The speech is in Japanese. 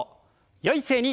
よい姿勢に。